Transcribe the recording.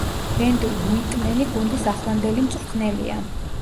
რენდი უიტმენი გუნდის ახლანდელი მწვრთნელია.